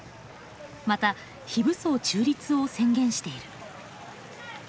また非武装中立を宣言している。